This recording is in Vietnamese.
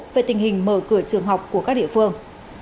về tình hình mở cửa trường học của các địa phương